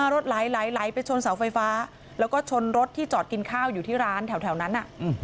รถไหลไปชนเสาไฟฟ้าแล้วก็ชนรถที่จอดกินข้าวอยู่ที่ร้านแถวนั้น